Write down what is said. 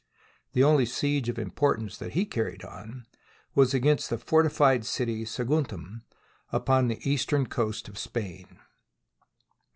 The only siege of im portance that he carried on was against the forti fied city, Saguntum, upon the eastern coast of Spain.